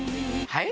はい？